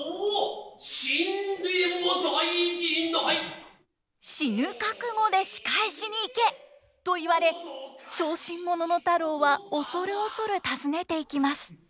オオ死ぬ覚悟で仕返しに行けと言われ小心者の太郎は恐る恐る訪ねていきます。